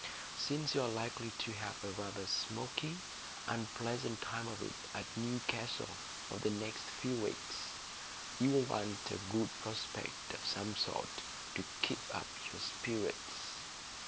Since you're likely to have rather a smoky, unpleasant time of it at Newcastle for the next few weeks, you'll want a good prospect of some sort to keep up your spirits."